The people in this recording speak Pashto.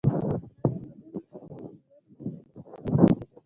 د هغې مهم هورمون د ودې هورمون دی.